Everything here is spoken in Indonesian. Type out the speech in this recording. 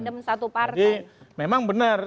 dem satu partai memang benar